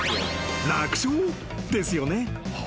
楽勝ですよね？］